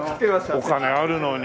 お金あるのに。